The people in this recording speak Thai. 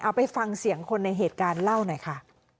ไปฟังเสียงคนในเหตุการณ์เล่าหน่อยค่ะ